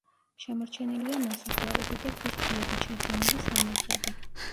შემორჩენილია ნასახლარები და ქვის ფილებით შედგენილი სამარხები.